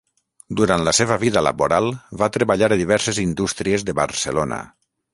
Durant la seva vida laboral va treballar a diverses indústries de Barcelona.